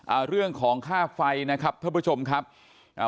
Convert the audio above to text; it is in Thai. อ่าเรื่องของค่าไฟนะครับท่านผู้ชมครับอ่า